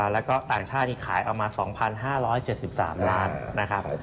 แล้วก็ต่างชาตินี่ขายเอามา๒๕๗๓ล้านนะครับ